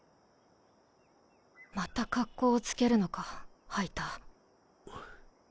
また格好をつけるのかハイター。